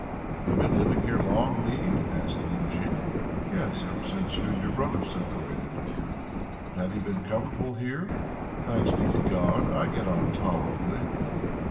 "Have you been living here long, Need?" asks the moujik. "Yes, ever since you and your brother separated." "And have you been comfortable here?" "Thanks be to God, I get on tolerably!"